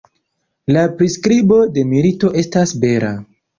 La priskribo de milito estas bela.